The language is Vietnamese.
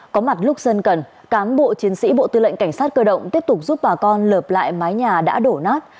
có mặt lúc dân cần cán bộ chiến sĩ bộ tư lệnh cảnh sát cơ động tiếp tục giúp bà con lợp lại mái nhà đã đổ nát